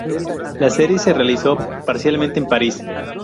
La serie se realizó parcialmente en París.